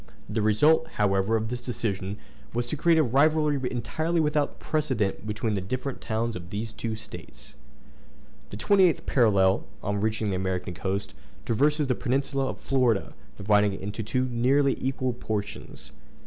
The result, however, of this decision was to create a rivalry entirely without precedent between the different towns of these two States. The 28th parallel, on reaching the American coast, traverses the peninsula of Florida, dividing it into two nearly equal portions.